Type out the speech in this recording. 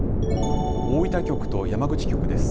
大分局と山口局です。